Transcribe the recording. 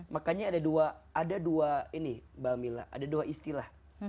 makanya ada dua ini mbak mila ada dua istilah